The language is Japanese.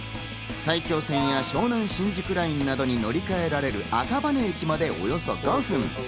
埼京線や湘南新宿ラインなどに乗り換えられる赤羽駅までおよそ５分。